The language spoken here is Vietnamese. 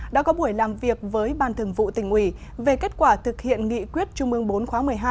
đã có buổi làm việc với ban thường vụ tỉnh ủy về kết quả thực hiện nghị quyết trung ương bốn khóa một mươi hai